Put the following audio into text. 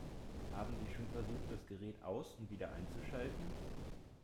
Haben Sie schon versucht, das Gerät aus- und wieder einzuschalten?